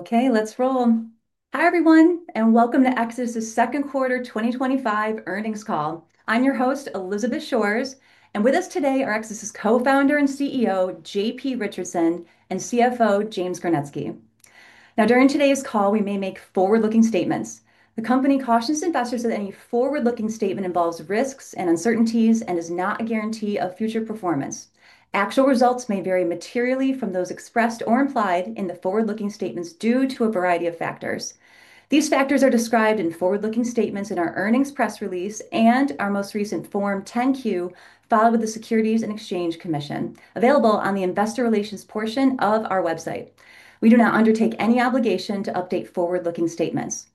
Okay, let's roll. Hi everyone, and welcome to Exodus Movement Inc.'s Second Quarter 2025 Earnings Call. I'm your host, Elizabeth Shores, and with us today are Exodus Movement Inc.'s Co-Founder and CEO, JP Richardson, and CFO, James Gernetzke. During today's call, we may make forward-looking statements. The company cautions investors that any forward-looking statement involves risks and uncertainties and is not a guarantee of future performance. Actual results may vary materially from those expressed or implied in the forward-looking statements due to a variety of factors. These factors are described in forward-looking statements in our earnings press release and our most recent Form 10-Q filed with the U.S. Securities and Exchange Commission, available on the investor relations portion of our website. We do not undertake any obligation to update forward-looking statements.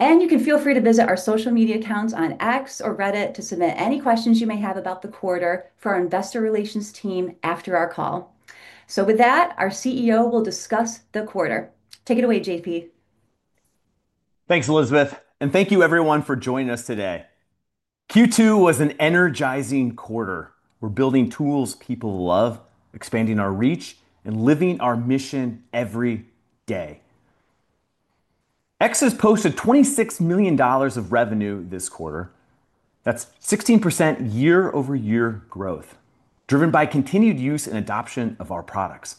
You can feel free to visit our social media accounts on X or Reddit to submit any questions you may have about the quarter for our investor relations team after our call. With that, our CEO will discuss the quarter. Take it away, JP. Thanks, Elizabeth, and thank you everyone for joining us today. Q2 was an energizing quarter. We're building tools people love, expanding our reach, and living our mission every day. Exodus posted $26 million of revenue this quarter. That's 16% year-over-year growth, driven by continued use and adoption of our products.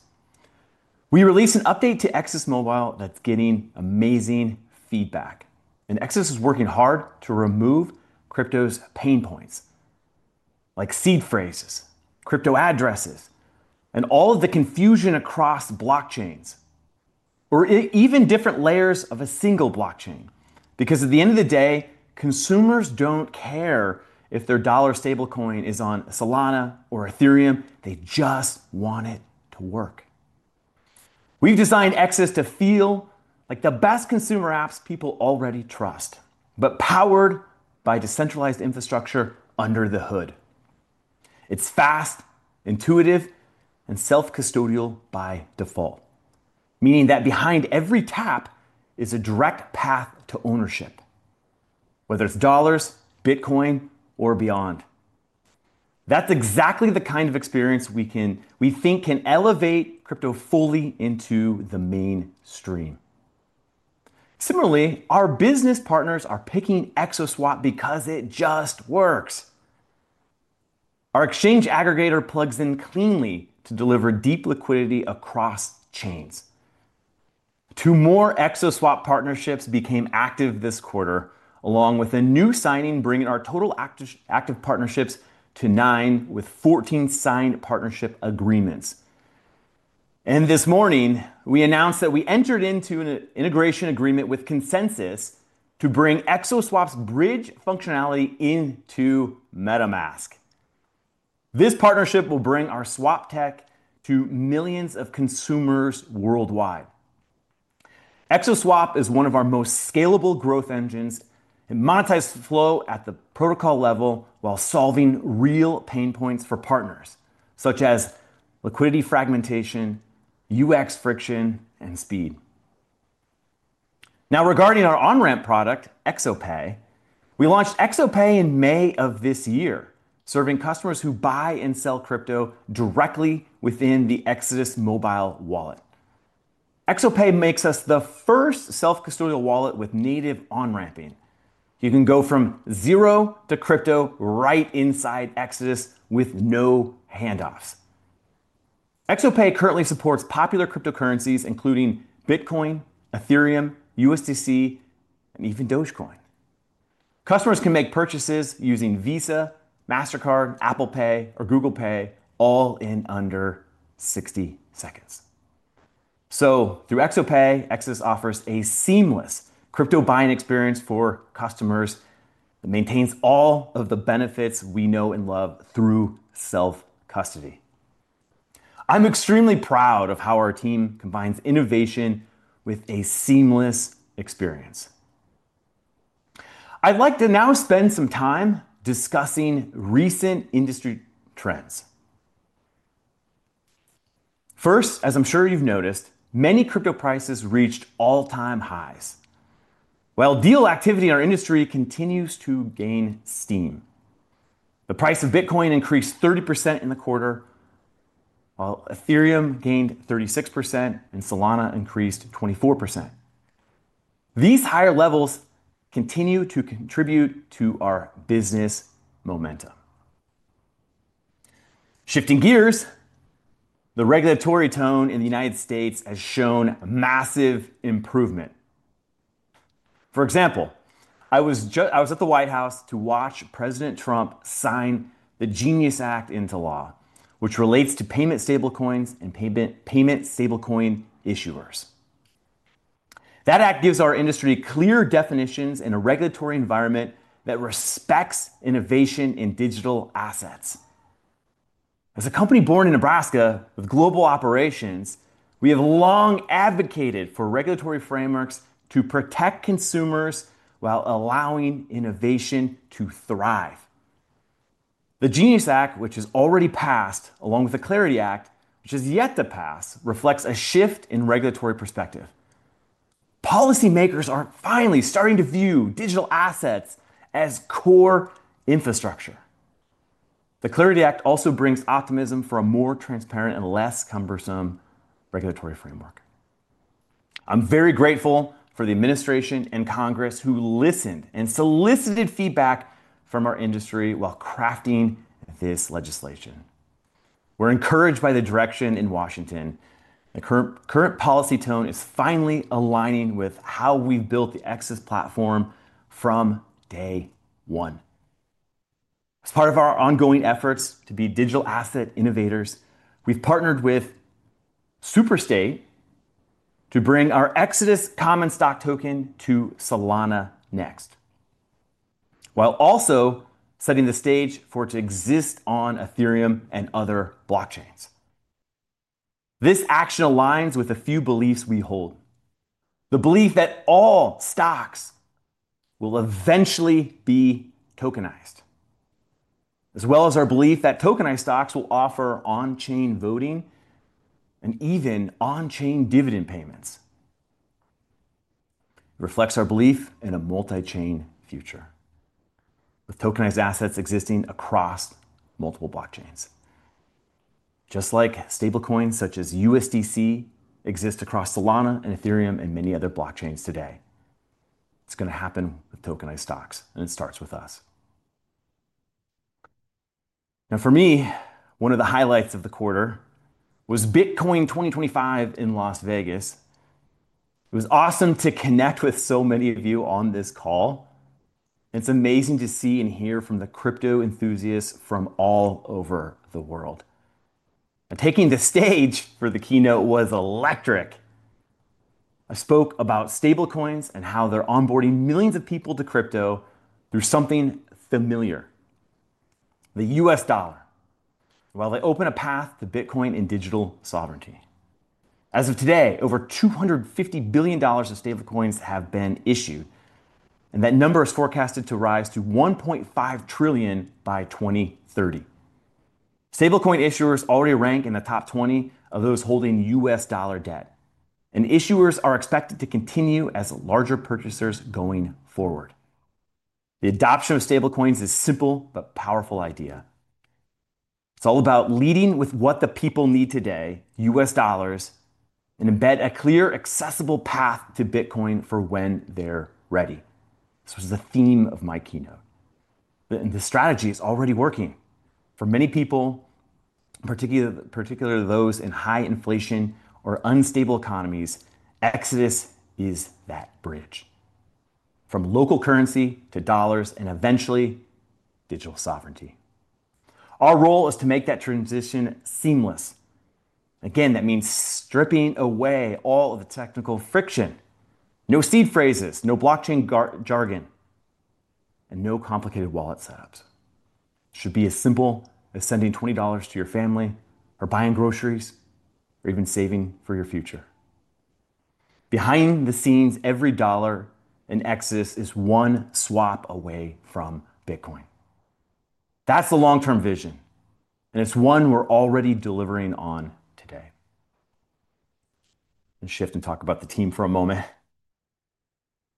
We released an update to Exodus Mobile that's getting amazing feedback, and Exodus is working hard to remove crypto's pain points, like seed phrases, crypto addresses, and all of the confusion across blockchains, or even different layers of a single blockchain, because at the end of the day, consumers don't care if their dollar stablecoin is on Solana or Ethereum. They just want it to work. We've designed Exodus to feel like the best consumer apps people already trust, but powered by decentralized infrastructure under the hood. It's fast, intuitive, and self-custodial by default, meaning that behind every tap is a direct path to ownership, whether it's dollars, Bitcoin, or beyond. That's exactly the kind of experience we think can elevate crypto fully into the mainstream. Similarly, our business partners are picking XO Swap because it just works. Our exchange aggregator plugs in cleanly to deliver deep liquidity across chains. Two more XO Swap partnerships became active this quarter, along with a new signing bringing our total active partnerships to nine with 14 signed partnership agreements. This morning, we announced that we entered into an integration agreement with Consensys to bring XO Swap's bridge functionality into MetaMask. This partnership will bring our swap tech to millions of consumers worldwide. XO Swap is one of our most scalable growth engines. It monetizes flow at the protocol level while solving real pain points for partners, such as liquidity fragmentation, UX friction, and speed. Now, regarding our on-ramp product, XO Pay, we launched XO Pay in May of this year, serving customers who buy and sell crypto directly within the Exodus Mobile app. XO Pay makes us the first self-custodial wallet with native on-ramping. You can go from zero to crypto right inside Exodus with no handoffs. XO Pay currently supports popular cryptocurrencies, including Bitcoin, Ethereum, USDC, and even Dogecoin. Customers can make purchases using Visa, MasterCard, Apple Pay, or Google Pay, all in under 60 seconds. Through XO Pay, Exodus offers a seamless crypto buying experience for customers that maintains all of the benefits we know and love through self-custody. I'm extremely proud of how our team combines innovation with a seamless experience. I'd like to now spend some time discussing recent industry trends. First, as I'm sure you've noticed, many crypto prices reached all-time highs. Deal activity in our industry continues to gain steam. The price of Bitcoin increased 30% in the quarter, while Ethereum gained 36% and Solana increased 24%. These higher levels continue to contribute to our business momentum. Shifting gears, the regulatory tone in the U.S. has shown massive improvement. For example, I was at the White House to watch President Trump sign the Genius Act into law, which relates to payment stablecoins and payment stablecoin issuers. That act gives our industry clear definitions and a regulatory environment that respects innovation in digital assets. As a company born in Nebraska with global operations, we have long advocated for regulatory frameworks to protect consumers while allowing innovation to thrive. The Genius Act, which has already passed, along with the Clarity Act, which is yet to pass, reflects a shift in regulatory perspective. Policymakers are finally starting to view digital assets as core infrastructure. The Clarity Act also brings optimism for a more transparent and less cumbersome regulatory framework. I'm very grateful for the administration and Congress who listened and solicited feedback from our industry while crafting this legislation. We're encouraged by the direction in Washington. The current policy tone is finally aligning with how we've built the Exodus platform from day one. As part of our ongoing efforts to be digital asset innovators, we've partnered with SuperStay to bring our Exodus common stock token to Solana next, while also setting the stage for it to exist on Ethereum and other blockchains. This action aligns with a few beliefs we hold: the belief that all stocks will eventually be tokenized, as well as our belief that tokenized stocks will offer on-chain voting and even on-chain dividend payments. It reflects our belief in a multi-chain future, with tokenized assets existing across multiple blockchains, just like stablecoins such as USDC exist across Solana and Ethereum and many other blockchains today. It's going to happen with tokenized stocks, and it starts with us. Now, for me, one of the highlights of the quarter was Bitcoin 2025 in Las Vegas. It was awesome to connect with so many of you on this call, and it's amazing to see and hear from the crypto enthusiasts from all over the world. Taking the stage for the keynote was electric. I spoke about stablecoins and how they're onboarding millions of people to crypto through something familiar: the US dollar, while they open a path to Bitcoin and digital sovereignty. As of today, over $250 billion of stablecoins have been issued, and that number is forecasted to rise to $1.5 trillion by 2030. Stablecoin issuers already rank in the top 20 of those holding US dollar debt, and issuers are expected to continue as larger purchasers going forward. The adoption of stablecoins is a simple but powerful idea. It's all about leading with what the people need today, U.S. dollars, and embed a clear, accessible path to Bitcoin for when they're ready. This was the theme of my keynote. The strategy is already working. For many people, particularly those in high inflation or unstable economies, Exodus is that bridge, from local currency to dollars and eventually digital sovereignty. Our role is to make that transition seamless. That means stripping away all of the technical friction. No seed phrases, no blockchain jargon, and no complicated wallet setups. It should be as simple as sending $20 to your family, or buying groceries, or even saving for your future. Behind the scenes, every dollar in Exodus is one swap away from Bitcoin. That's the long-term vision, and it's one we're already delivering on today. Let's shift and talk about the team for a moment.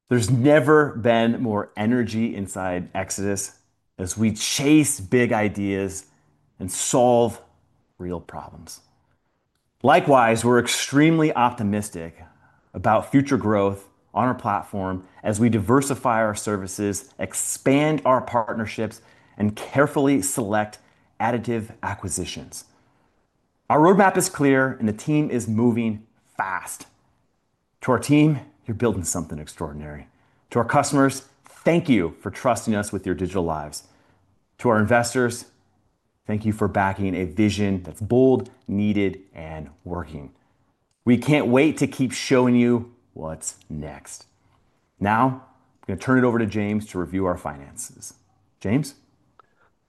There's never been more energy inside Exodus as we chase big ideas and solve real problems. Likewise, we're extremely optimistic about future growth on our platform as we diversify our services, expand our partnerships, and carefully select additive acquisitions. Our roadmap is clear, and the team is moving fast. To our team, you're building something extraordinary. To our customers, thank you for trusting us with your digital lives. To our investors, thank you for backing a vision that's bold, needed, and working. We can't wait to keep showing you what's next. Now, I'm going to turn it over to James to review our finances. James?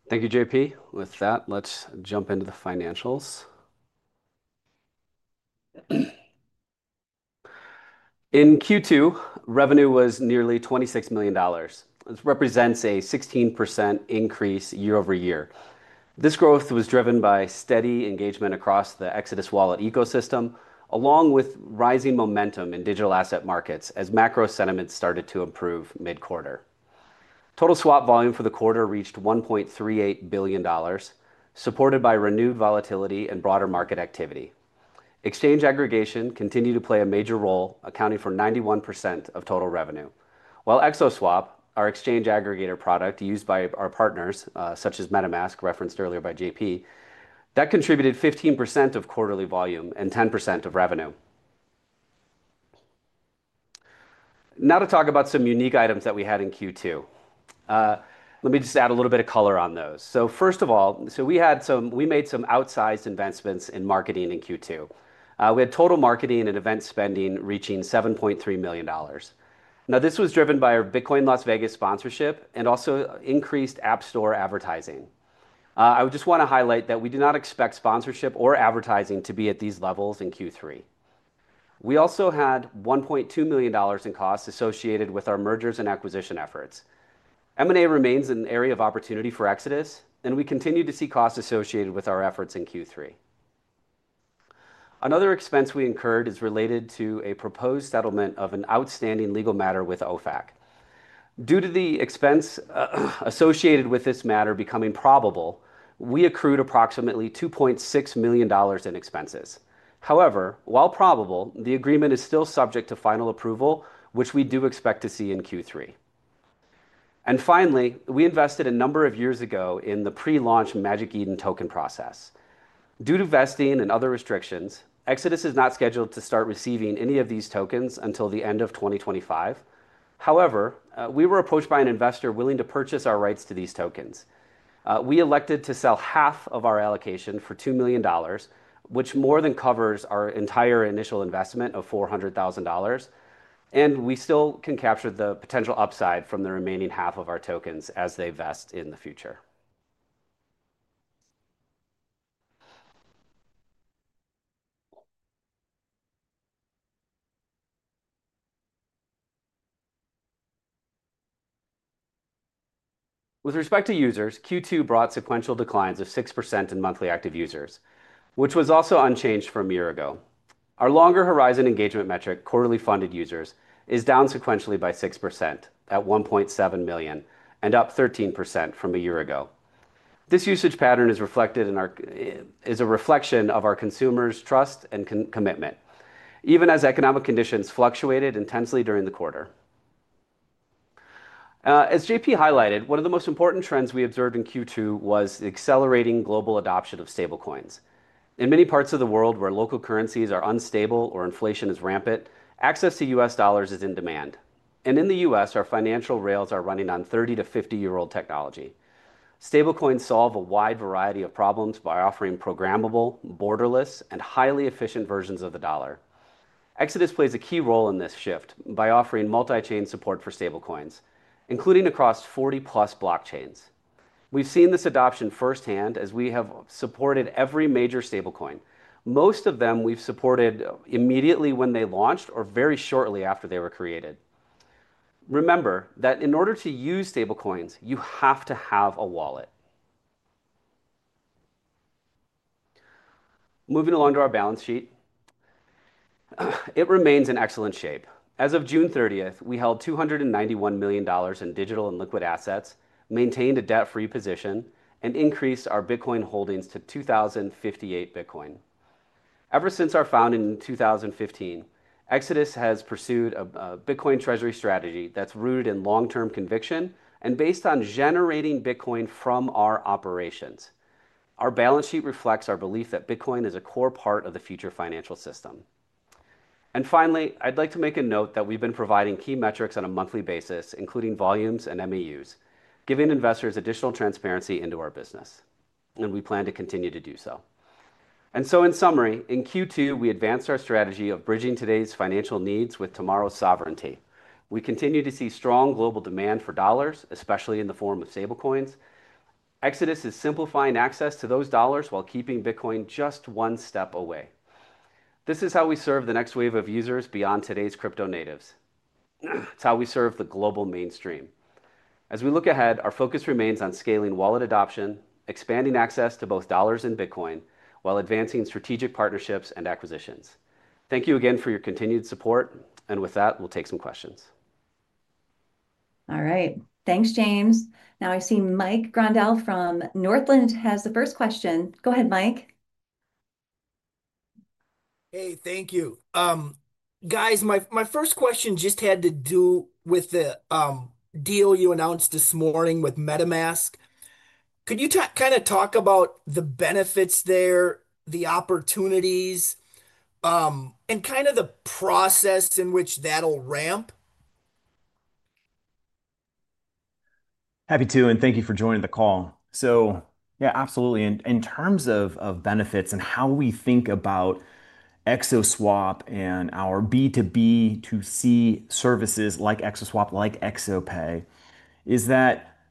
Thank you, JP With that, let's jump into the financials. In Q2, revenue was nearly $26 million. This represents a 16% increase year over year. This growth was driven by steady engagement across the Exodus wallet ecosystem, along with rising momentum in digital asset markets as macro sentiment started to improve mid-quarter. Total swap volume for the quarter reached $1.38 billion, supported by renewed volatility and broader market activity. Exchange aggregation continued to play a major role, accounting for 91% of total revenue. While XO Swap, our exchange aggregator product used by our partners, such as MetaMask, referenced earlier by JP, contributed 15% of quarterly volume and 10% of revenue. Now to talk about some unique items that we had in Q2. Let me just add a little bit of color on those. First of all, we made some outsized investments in marketing in Q2. We had total marketing and event spending reaching $7.3 million. This was driven by our Bitcoin Las Vegas sponsorship and also increased App Store advertising. I would just want to highlight that we do not expect sponsorship or advertising to be at these levels in Q3. We also had $1.2 million in costs associated with our mergers and acquisition efforts. M&A remains an area of opportunity for Exodus, and we continue to see costs associated with our efforts in Q3. Another expense we incurred is related to a proposed settlement of an outstanding legal matter with OFAC. Due to the expense associated with this matter becoming probable, we accrued approximately $2.6 million in expenses. However, while probable, the agreement is still subject to final approval, which we do expect to see in Q3. Finally, we invested a number of years ago in the pre-launch Magic Eden token process. Due to vesting and other restrictions, Exodus is not scheduled to start receiving any of these tokens until the end of 2025. However, we were approached by an investor willing to purchase our rights to these tokens. We elected to sell half of our allocation for $2 million, which more than covers our entire initial investment of $400,000, and we still can capture the potential upside from the remaining half of our tokens as they vest in the future. With respect to users, Q2 brought sequential declines of 6% in monthly active users, which was also unchanged from a year ago. Our longer horizon engagement metric, quarterly funded users, is down sequentially by 6% at $1.7 million and up 13% from a year ago. This usage pattern is a reflection of our consumers' trust and commitment, even as economic conditions fluctuated intensely during the quarter. As JP highlighted, one of the most important trends we observed in Q2 was the accelerating global adoption of stablecoins. In many parts of the world where local currencies are unstable or inflation is rampant, access to U.S. dollars is in demand. In the U.S., our financial rails are running on 30 to 50-year-old technology. Stablecoins solve a wide variety of problems by offering programmable, borderless, and highly efficient versions of the dollar. Exodus plays a key role in this shift by offering multi-chain support for stablecoins, including across 40+ blockchains. We've seen this adoption firsthand as we have supported every major stablecoin. Most of them we've supported immediately when they launched or very shortly after they were created. Remember that in order to use stablecoins, you have to have a wallet. Moving along to our balance sheet, it remains in excellent shape. As of June 30, we held $291 million in digital and liquid assets, maintained a debt-free position, and increased our Bitcoin holdings to 2,058 Bitcoin. Ever since our founding in 2015, Exodus has pursued a Bitcoin treasury strategy that's rooted in long-term conviction and based on generating Bitcoin from our operations. Our balance sheet reflects our belief that Bitcoin is a core part of the future financial system. Finally, I'd like to make a note that we've been providing key metrics on a monthly basis, including volumes and MAUs, giving investors additional transparency into our business. We plan to continue to do so. In summary, in Q2, we advanced our strategy of bridging today's financial needs with tomorrow's sovereignty. We continue to see strong global demand for dollars, especially in the form of stablecoins. Exodus is simplifying access to those dollars while keeping Bitcoin just one step away. This is how we serve the next wave of users beyond today's crypto natives. It's how we serve the global mainstream. As we look ahead, our focus remains on scaling wallet adoption, expanding access to both dollars and Bitcoin, while advancing strategic partnerships and acquisitions. Thank you again for your continued support. We will take some questions. All right. Thanks, James. Now I see Mike Gundahl from Northland has the first question. Go ahead, Mike. Hey, thank you. Guys, my first question just had to do with the deal you announced this morning with MetaMask. Could you kind of talk about the benefits there, the opportunities, and the process in which that'll ramp? Happy to, and thank you for joining the call. Absolutely. In terms of benefits and how we think about XO Swap and our B2B2C services like XO Swap, like XO Pay,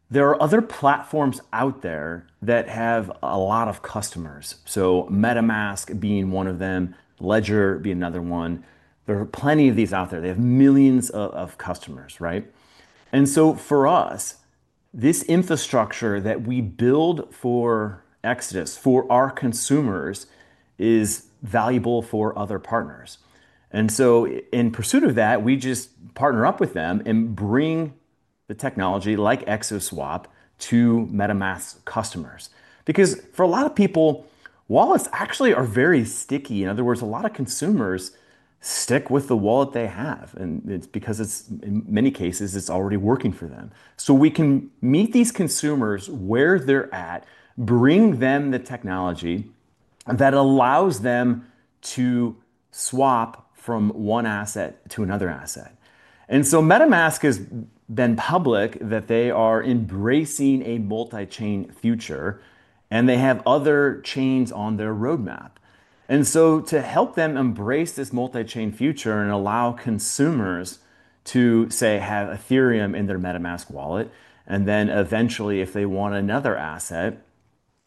there are other platforms out there that have a lot of customers. MetaMask is one of them, Ledger is another one, there are plenty of these out there. They have millions of customers, right? For us, this infrastructure that we build for Exodus, for our consumers, is valuable for other partners. In pursuit of that, we just partner up with them and bring the technology like XO Swap to MetaMask customers. For a lot of people, wallets actually are very sticky. In other words, a lot of consumers stick with the wallet they have, and it's because in many cases it's already working for them. We can meet these consumers where they're at, bring them the technology that allows them to swap from one asset to another asset. MetaMask has been public that they are embracing a multi-chain future, and they have other chains on their roadmap. To help them embrace this multi-chain future and allow consumers to, say, have Ethereum in their MetaMask wallet, and then eventually, if they want another asset,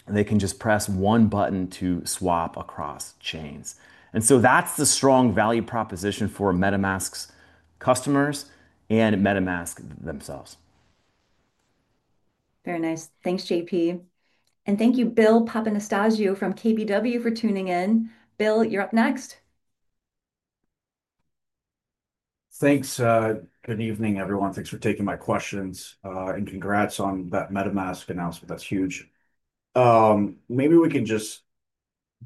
they can just press one button to swap across chains. That's the strong value proposition for MetaMask's customers and MetaMask themselves. Very nice. Thanks, JP And thank you, Bill Papanastasiou from KBW for tuning in. Bill, you're up next. Thanks. Good evening, everyone. Thanks for taking my questions, and congrats on that MetaMask announcement. That's huge. Maybe we can just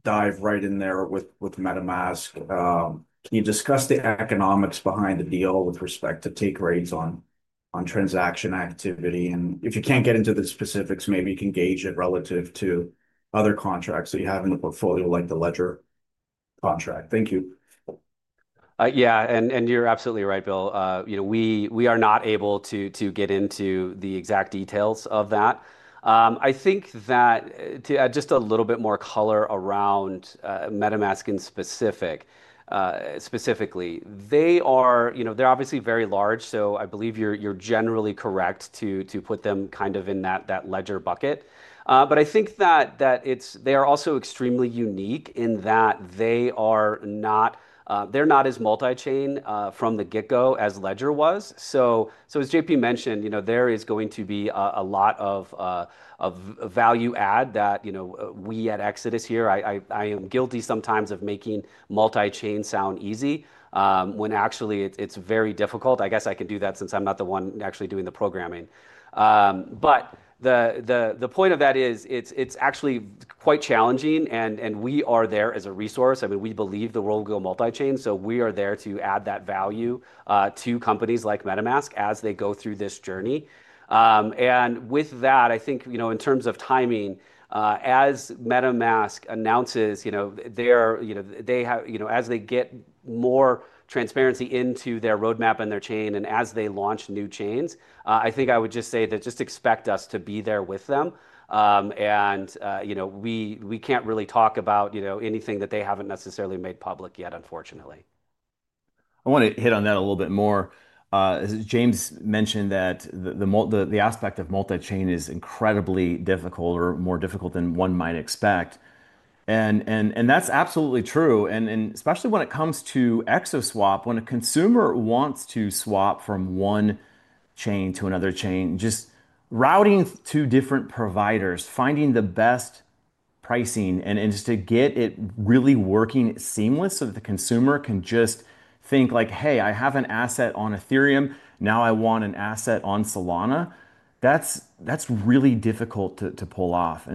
dive right in there with MetaMask. Can you discuss the economics behind the deal with respect to take rates on transaction activity? If you can't get into the specifics, maybe you can gauge it relative to other contracts that you have in the portfolio, like the ledger contract. Thank you. Yeah, and you're absolutely right, Bill. We are not able to get into the exact details of that. I think that to add just a little bit more color around MetaMask in specific, specifically, they are, you know, they're obviously very large. I believe you're generally correct to put them kind of in that ledger bucket. I think that they are also extremely unique in that they are not as multi-chain from the get-go as Ledger was. As JP mentioned, there is going to be a lot of value add that we at Exodus here, I am guilty sometimes of making multi-chain sound easy, when actually it's very difficult. I guess I can do that since I'm not the one actually doing the programming. The point of that is it's actually quite challenging, and we are there as a resource. We believe the world will go multi-chain. We are there to add that value to companies like MetaMask as they go through this journey. With that, I think, in terms of timing, as MetaMask announces, they have, as they get more transparency into their roadmap and their chain, and as they launch new chains, I would just say that just expect us to be there with them. We can't really talk about anything that they haven't necessarily made public yet, unfortunately. I want to hit on that a little bit more. James mentioned that the aspect of multi-chain is incredibly difficult or more difficult than one might expect. That's absolutely true. Especially when it comes to XO Swap, when a consumer wants to swap from one chain to another chain, just routing to different providers, finding the best pricing, and just to get it really working seamless so that the consumer can just think like, hey, I have an asset on Ethereum, now I want an asset on Solana. That's really difficult to pull off.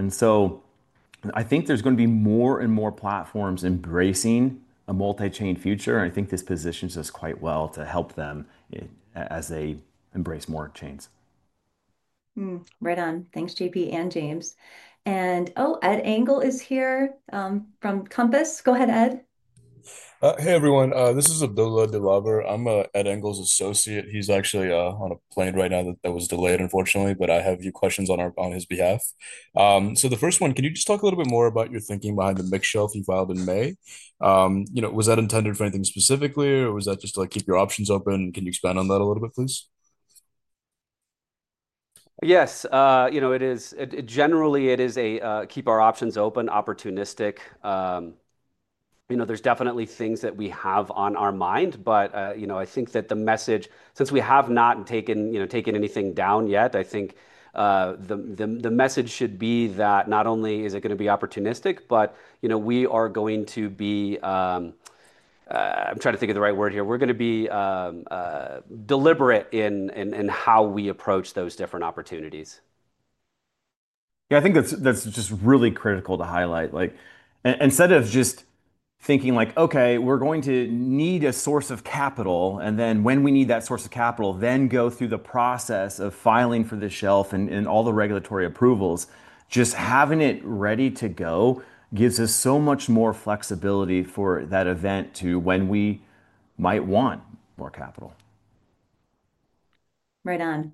I think there's going to be more and more platforms embracing a multi-chain future. I think this positions us quite well to help them as they embrace more chains. Right on. Thanks, JP and James. Ed Engel is here from Compass Point. Go ahead, Ed. Hey everyone, this is Abdullah Dilawar. I'm an Ed Engel associate. He's actually on a plane right now that was delayed, unfortunately, but I have a few questions on his behalf. The first one, can you just talk a little bit more about your thinking behind the mix shelf you filed in May? Was that intended for anything specifically, or was that just to keep your options open? Can you expand on that a little bit, please? Yes, it is generally a keep our options open, opportunistic. There's definitely things that we have on our mind, but I think the message, since we have not taken anything down yet, should be that not only is it going to be opportunistic, but we are going to be, I'm trying to think of the right word here, we're going to be deliberate in how we approach those different opportunities. Yeah. I think that's just really critical to highlight. Instead of just thinking like, okay, we're going to need a source of capital, and then when we need that source of capital, go through the process of filing for the shelf and all the regulatory approvals, just having it ready to go gives us so much more flexibility for that event when we might want more capital. Right on.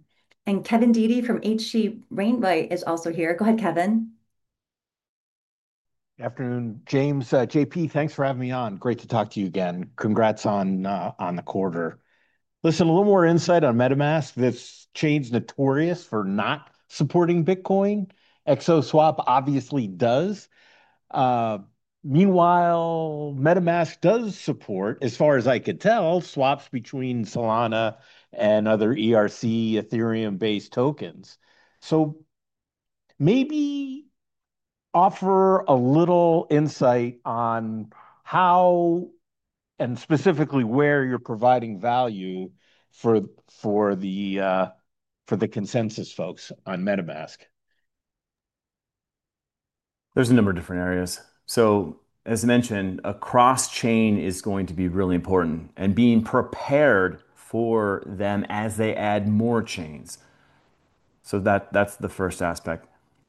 Kevin Dede from H.C. Wainwright is also here. Go ahead, Kevin. Afternoon, James. JP, thanks for having me on. Great to talk to you again. Congrats on the quarter. Listen, a little more insight on MetaMask. This chain's notorious for not supporting Bitcoin. XO Swap obviously does. Meanwhile, MetaMask does support, as far as I could tell, swaps between Solana and other ERC, Ethereum-based tokens. Maybe offer a little insight on how and specifically where you're providing value for the Consensys folks on MetaMask? are a number of different areas. As I mentioned, cross-chain is going to be really important, and being prepared for them as they add more chains. That's the first aspect.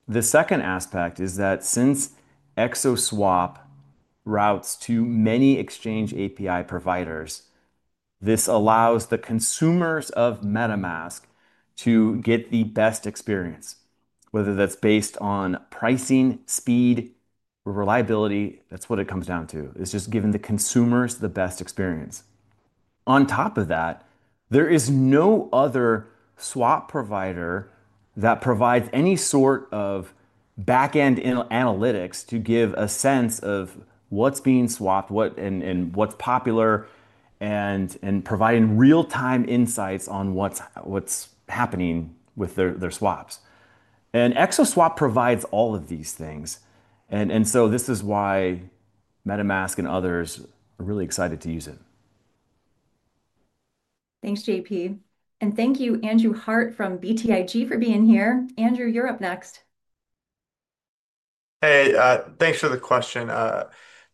The second aspect is that since XO Swap routes to many exchange API providers, this allows the consumers of MetaMask to get the best experience, whether that's based on pricing, speed, or reliability. That's what it comes down to. It's just giving the consumers the best experience. On top of that, there is no other swap provider that provides any sort of backend analytics to give a sense of what's being swapped and what's popular, and providing real-time insights on what's happening with their swaps. XO Swap provides all of these things. This is why MetaMask and others are really excited to use it. Thanks, JP And thank you, Andrew Harte from BTIG, for being here. Andrew, you're up next. Hey, thanks for the question.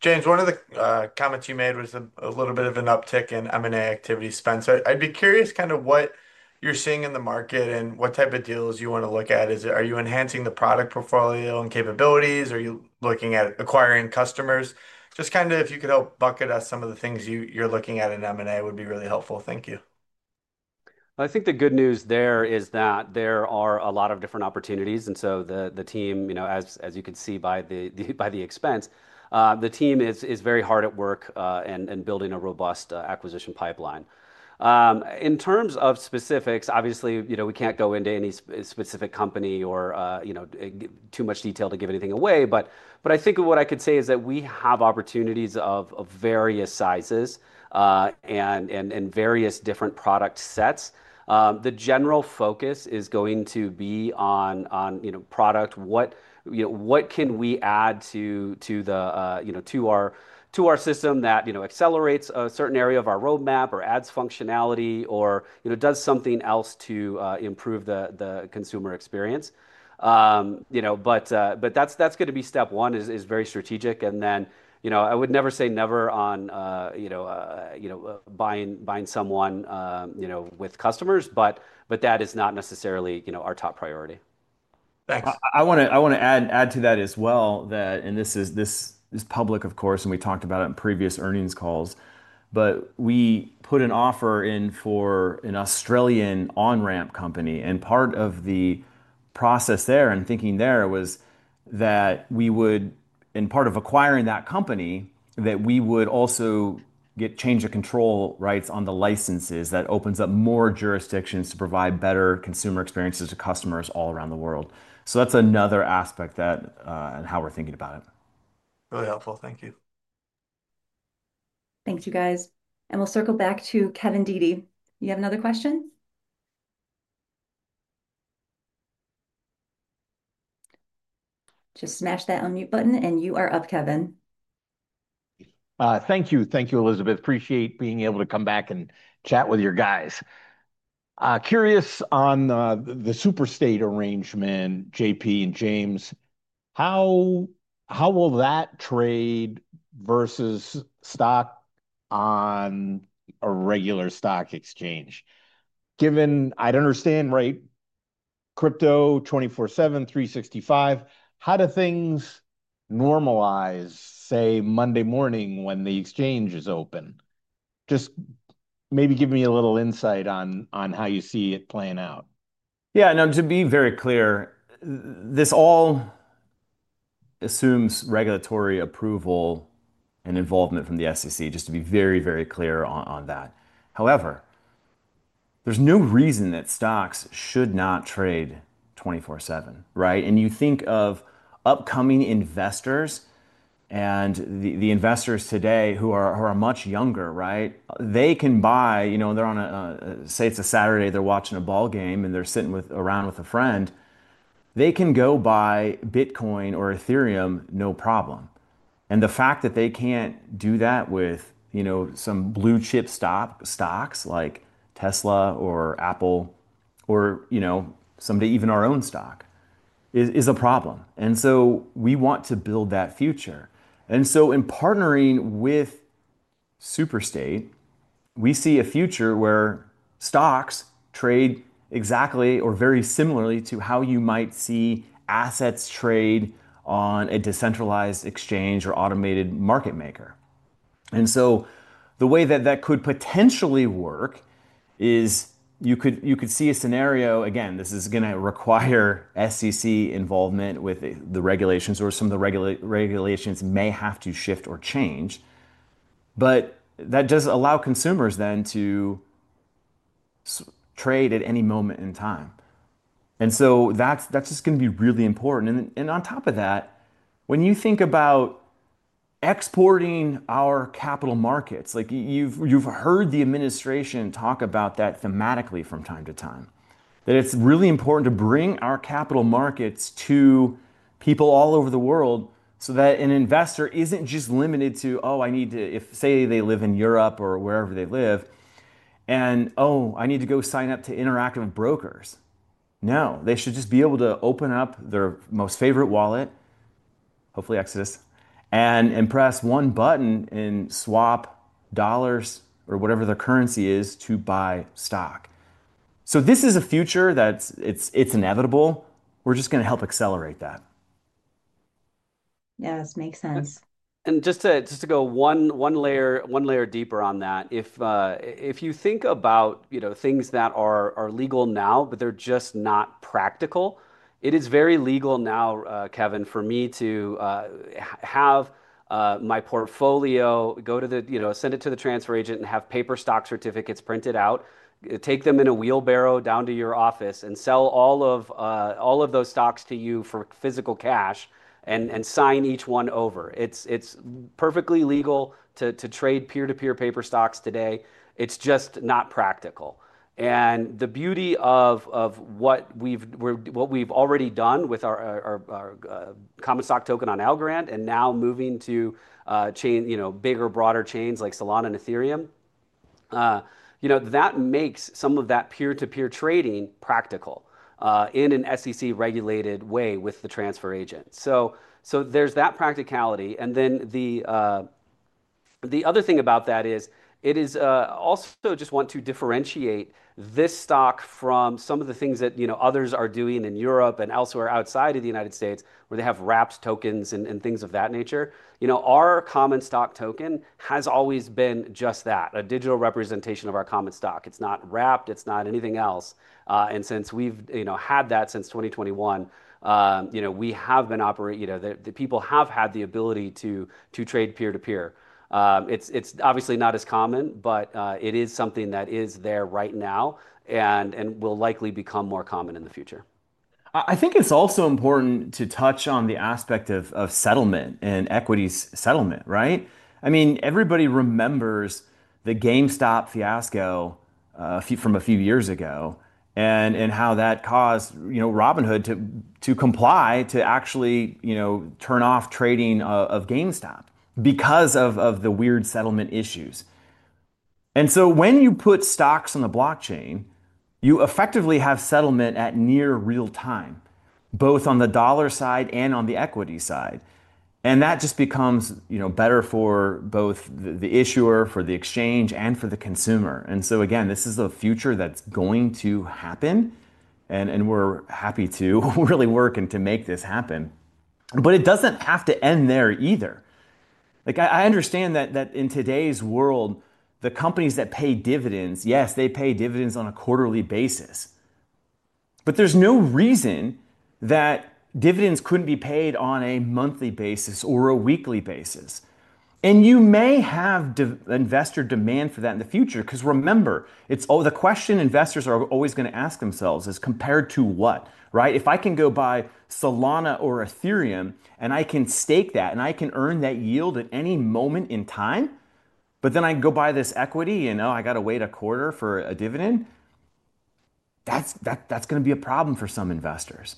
James, one of the comments you made was a little bit of an uptick in M&A activity spend. I'd be curious what you're seeing in the market and what type of deals you want to look at. Are you enhancing the product portfolio and capabilities? Are you looking at acquiring customers? If you could help bucket out some of the things you're looking at in M&A, that would be really helpful. Thank you. I think the good news there is that there are a lot of different opportunities. The team, as you can see by the expense, is very hard at work in building a robust acquisition pipeline. In terms of specifics, obviously, we can't go into any specific company or too much detail to give anything away. I think what I could say is that we have opportunities of various sizes and various different product sets. The general focus is going to be on product. What can we add to our system that accelerates a certain area of our roadmap or adds functionality or does something else to improve the consumer experience? That's going to be step one, is very strategic. I would never say never on buying someone with customers, but that is not necessarily our top priority. Thanks. I want to add to that as well, and this is public, of course, and we talked about it in previous earnings calls, but we put an offer in for an Australian on-ramp company. Part of the process there and thinking there was that in acquiring that company, we would also get change of control rights on the licenses. That opens up more jurisdictions to provide better consumer experiences to customers all around the world. That's another aspect and how we're thinking about it. Really helpful. Thank you. you, you guys. We will circle back to Kevin Dede. You have another question? Just smash that unmute button and you are up, Kevin. Thank you. Thank you, Elizabeth. Appreciate being able to come back and chat with you guys. Curious on the SuperStay arrangement, JP and James, how will that trade versus stock on a regular stock exchange? Given, I'd understand, right, crypto 24/7, 365, how do things normalize, say, Monday morning when the exchange is open? Just maybe give me a little insight on how you see it playing out. Yeah, no, to be very clear, this all assumes regulatory approval and involvement from the SEC, just to be very, very clear on that. However, there's no reason that stocks should not trade 24/7, right? You think of upcoming investors and the investors today who are much younger, right? They can buy, you know, they're on a, say it's a Saturday, they're watching a ball game and they're sitting around with a friend. They can go buy Bitcoin or Ethereum, no problem. The fact that they can't do that with, you know, some blue chip stocks like Tesla or Apple or, you know, somebody, even our own stock is a problem. We want to build that future. In partnering with SuperStay, we see a future where stocks trade exactly or very similarly to how you might see assets trade on a decentralized exchange or automated market maker. The way that that could potentially work is you could see a scenario, again, this is going to require SEC involvement with the regulations, or some of the regulations may have to shift or change. That does allow consumers then to trade at any moment in time. That's just going to be really important. On top of that, when you think about exporting our capital markets, like you've heard the administration talk about that thematically from time to time, that it's really important to bring our capital markets to people all over the world so that an investor isn't just limited to, oh, I need to, if say they live in Europe or wherever they live, and oh, I need to go sign up to interact with brokers. No, they should just be able to open up their most favorite wallet, hopefully Exodus, and press one button and swap dollars or whatever the currency is to buy stock. This is a future that it's inevitable. We're just going to help accelerate that. Yes, makes sense. To go one layer deeper on that, if you think about things that are legal now, but they're just not practical, it is very legal now, Kevin, for me to have my portfolio go to the transfer agent and have paper stock certificates printed out, take them in a wheelbarrow down to your office and sell all of those stocks to you for physical cash and sign each one over. It's perfectly legal to trade peer-to-peer paper stocks today. It's just not practical. The beauty of what we've already done with our Common Stock Token on Algorand and now moving to bigger, broader chains like Solana and Ethereum is that makes some of that peer-to-peer trading practical in an SEC-regulated way with the transfer agent. There's that practicality. The other thing about that is I also just want to differentiate this stock from some of the things that others are doing in Europe and elsewhere outside of the U.S. where they have wrapped tokens and things of that nature. Our Common Stock Token has always been just that, a digital representation of our Common Stock. It's not wrapped. It's not anything else. Since we've had that since 2021, we have been operating so that people have had the ability to trade peer-to-peer. It's obviously not as common, but it is something that is there right now and will likely become more common in the future. I think it's also important to touch on the aspect of settlement and equities settlement, right? I mean, everybody remembers the GameStop fiasco from a few years ago and how that caused Robinhood to comply to actually turn off trading of GameStop because of the weird settlement issues. When you put stocks on the blockchain, you effectively have settlement at near real time, both on the dollar side and on the equity side. That just becomes better for both the issuer, for the exchange, and for the consumer. This is a future that's going to happen. We're happy to really work and to make this happen. It doesn't have to end there either. I understand that in today's world, the companies that pay dividends, yes, they pay dividends on a quarterly basis. There's no reason that dividends couldn't be paid on a monthly basis or a weekly basis. You may have investor demand for that in the future because remember, the question investors are always going to ask themselves is compared to what, right? If I can go buy Solana or Ethereum and I can stake that and I can earn that yield at any moment in time, but then I can go buy this equity and now I got to wait a quarter for a dividend, that's going to be a problem for some investors.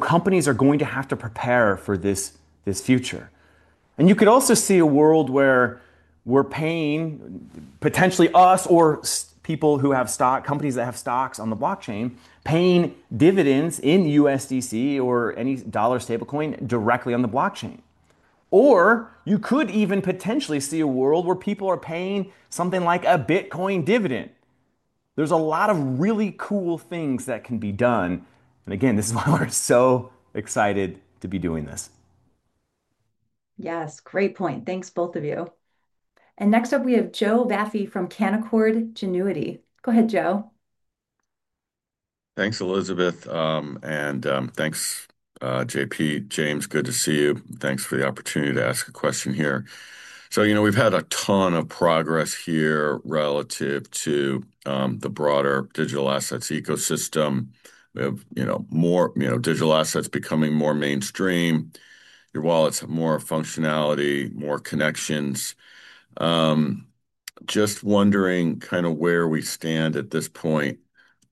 Companies are going to have to prepare for this future. You could also see a world where we're paying potentially us or people who have stock, companies that have stocks on the blockchain, paying dividends in USDC or any dollar stablecoin directly on the blockchain. You could even potentially see a world where people are paying something like a Bitcoin dividend. There's a lot of really cool things that can be done. This is why we're so excited to be doing this. Yes, great point. Thanks, both of you. Next up, we have Joe Vafi from Canaccord Genuity. Go ahead, Joe. Thanks, Elizabeth, and thanks, JP James, good to see you. Thanks for the opportunity to ask a question here. We've had a ton of progress here relative to the broader digital assets ecosystem. We have more digital assets becoming more mainstream. Your wallets have more functionality, more connections. Just wondering where we stand at this point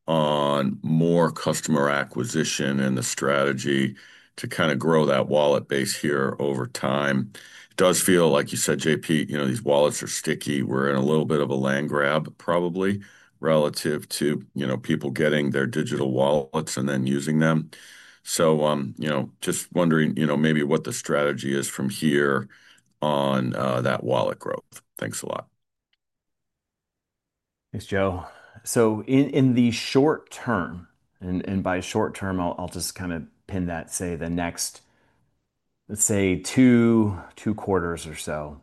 on more customer acquisition and the strategy to grow that wallet base here over time. It does feel like you said, JP, these wallets are sticky. We're in a little bit of a land grab, probably, relative to people getting their digital wallets and then using them. Just wondering what the strategy is from here on that wallet growth. Thanks a lot. Thanks, Joe. In the short term, and by short term, I'll just kind of pin that, say, the next, let's say, two quarters or so,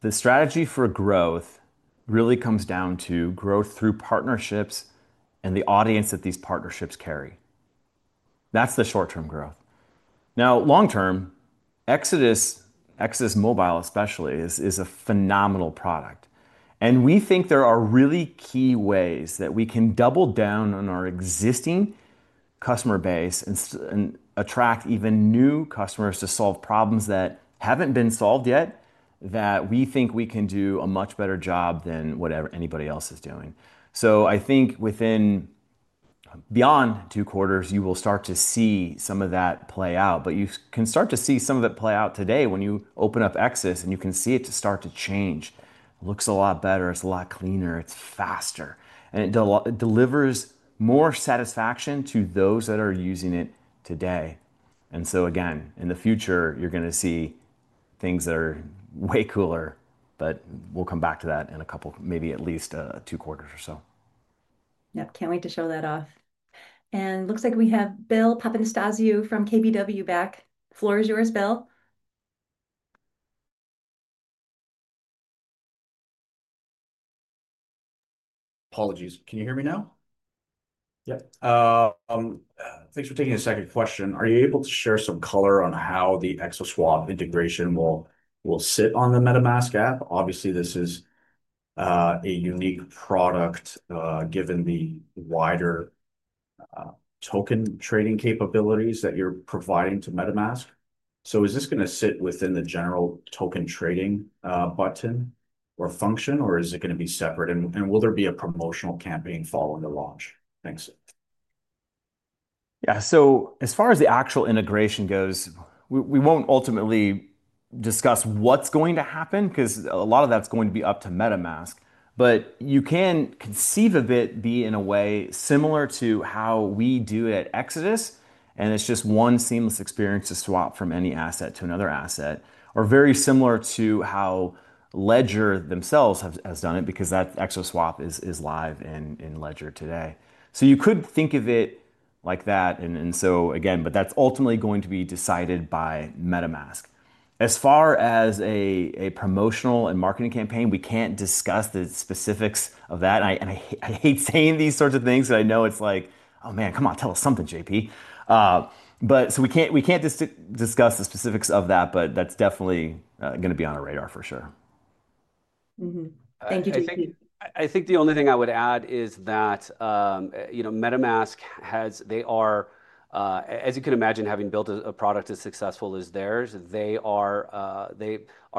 the strategy for growth really comes down to growth through partnerships and the audience that these partnerships carry. That's the short-term growth. Now, long-term, Exodus, Exodus Mobile especially, is a phenomenal product. We think there are really key ways that we can double down on our existing customer base and attract even new customers to solve problems that haven't been solved yet, that we think we can do a much better job than what anybody else is doing. I think within beyond two quarters, you will start to see some of that play out. You can start to see some of it play out today when you open up Exodus, and you can see it start to change. It looks a lot better. It's a lot cleaner. It's faster. It delivers more satisfaction to those that are using it today. In the future, you're going to see things that are way cooler. We'll come back to that in a couple, maybe at least two quarters or so. Yeah, can't wait to show that off. It looks like we have Bill Papanastasiou from KBW back. Floor is yours, Bill. Apologies. Can you hear me now? Thanks for taking a second question. Are you able to share some color on how the XO Swap integration will sit on the MetaMask app? Obviously, this is a unique product given the wider token trading capabilities that you're providing to MetaMask. Is this going to sit within the general token trading button or function, or is it going to be separate? Will there be a promotional campaign following the launch? Thanks. Yeah, as far as the actual integration goes, we won't ultimately discuss what's going to happen because a lot of that's going to be up to MetaMask. You can conceive of it being in a way similar to how we do it at Exodus. It's just one seamless experience to swap from any asset to another asset, or very similar to how Ledger themselves have done it because XO Swap is live in Ledger today. You could think of it like that. Again, that's ultimately going to be decided by MetaMask. As far as a promotional and marketing campaign, we can't discuss the specifics of that. I hate saying these sorts of things, and I know it's like, oh man, come on, tell us something, JP We can't discuss the specifics of that, but that's definitely going to be on our radar for sure. Thank you, JP I think the only thing I would add is that MetaMask has, as you could imagine, having built a product as successful as theirs, they are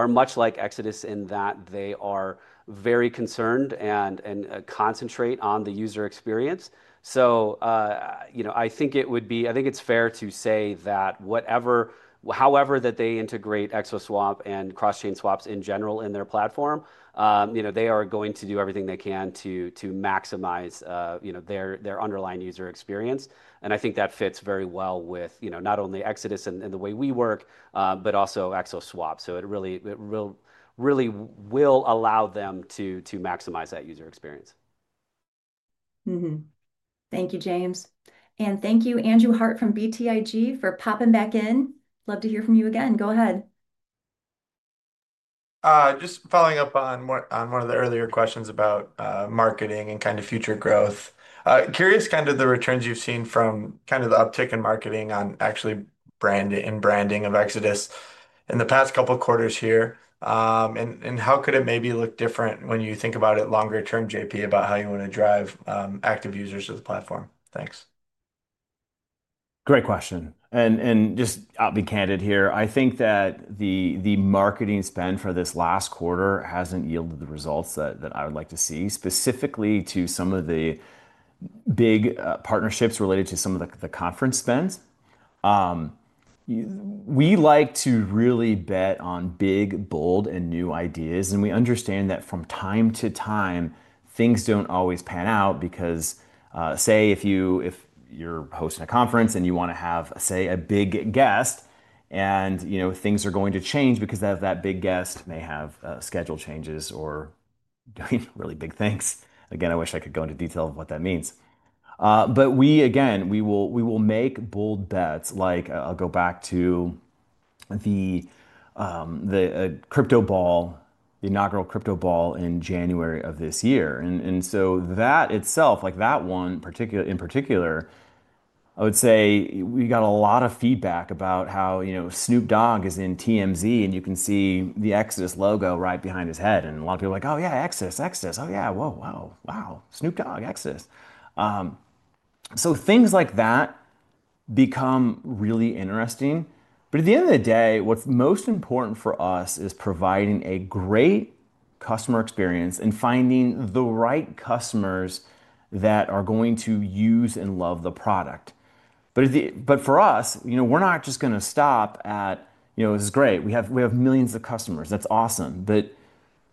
much like Exodus in that they are very concerned and concentrate on the user experience. I think it would be, I think it's fair to say that however they integrate XO Swap and cross-chain swaps in general in their platform, they are going to do everything they can to maximize their underlying user experience. I think that fits very well with not only Exodus and the way we work, but also XO Swap. It really will allow them to maximize that user experience. Thank you, James. Thank you, Andrew Harte from BTIG, for popping back in. Love to hear from you again. Go ahead. Just following up on one of the earlier questions about marketing and kind of future growth. Curious about the returns you've seen from the uptick in marketing on actual branding of Exodus in the past couple of quarters. How could it maybe look different when you think about it longer term, JP, about how you want to drive active users to the platform? Thanks. Great question. I'll be candid here. I think that the marketing spend for this last quarter hasn't yielded the results that I would like to see, specifically to some of the big partnerships related to some of the conference spends. We like to really bet on big, bold, and new ideas. We understand that from time to time, things don't always pan out because, say, if you're hosting a conference and you want to have, say, a big guest, things are going to change because that big guest may have schedule changes or doing really big things. I wish I could go into detail of what that means. We will make bold bets. I'll go back to the crypto ball, the inaugural crypto ball in January of this year. That itself, that one in particular, I would say we got a lot of feedback about how Snoop Dogg is in TMZ, and you can see the Exodus logo right behind his head. A lot of people are like, oh yeah, Exodus, Exodus. Oh yeah, whoa, whoa, wow. Snoop Dogg, Exodus. Things like that become really interesting. At the end of the day, what's most important for us is providing a great customer experience and finding the right customers that are going to use and love the product. For us, we're not just going to stop at, this is great. We have millions of customers. That's awesome.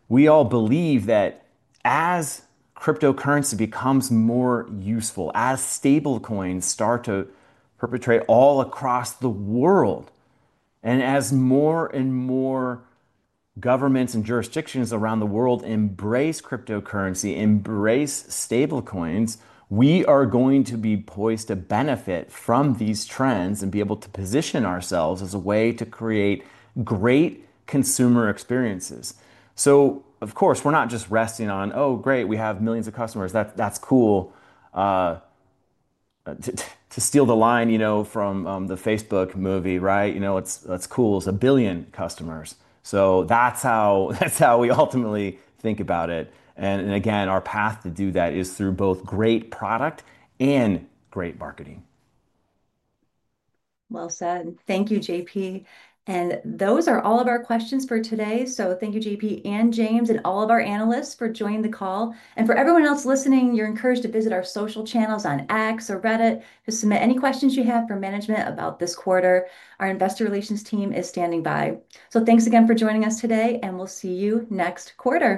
We all believe that as cryptocurrency becomes more useful, as stablecoins start to perpetrate all across the world, and as more and more governments and jurisdictions around the world embrace cryptocurrency, embrace stablecoins, we are going to be poised to benefit from these trends and be able to position ourselves as a way to create great consumer experiences. Of course, we're not just resting on, oh, great, we have millions of customers. That's cool. To steal the line from the Facebook movie, right? You know, it's cool. It's a billion customers. That's how we ultimately think about it. Again, our path to do that is through both great product and great marketing. Thank you, JP And those are all of our questions for today. Thank you, JP and James and all of our analysts for joining the call. For everyone else listening, you're encouraged to visit our social channels on X or Reddit to submit any questions you have for management about this quarter. Our investor relations team is standing by. Thank you again for joining us today, and we'll see you next quarter.